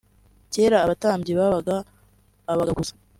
Kera abatambyi babaga abagabo gusa